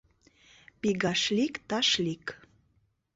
Пигашлик-ташлик